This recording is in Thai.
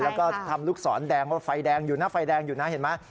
แล้วก็ทำลูกศรแดงว่าไฟแดงอยู่นะไฟแดงอยู่นะเห็นไหม